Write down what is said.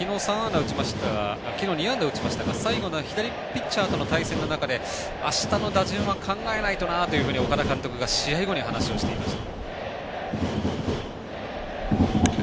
昨日２安打、打ちましたが最後の左ピッチャーとの対戦の中で、あしたの打順は考えないとなと岡田監督が試合後に話をしていました。